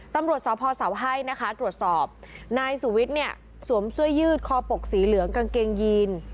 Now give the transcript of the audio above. ตำรวจสพเสาให้นะคะตรวจสอบนายสุวิทย์เนี่ยสวมเสื้อยืดคอปกสีเหลืองกางเกงยีน